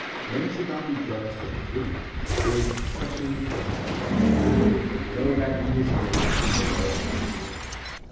Men should not be jealous of the Guru, who is specially favoured of God :— Know that he is great whom the Lord maketh great.